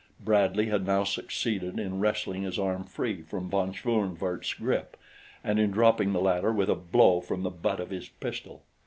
Bradley had now succeeded in wrestling his arm free from von Schoenvorts' grip and in dropping the latter with a blow from the butt of his pistol.